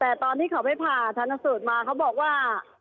แต่ตอนที่เขาไปผ่าชนสูตรมาเขาบอกว่า